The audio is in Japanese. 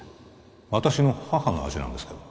私の母の味なんですけど